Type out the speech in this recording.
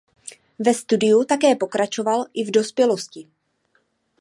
Ve studiu tance pokračoval i v dospělosti.